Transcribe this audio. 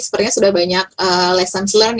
sepertinya sudah banyak lessons learned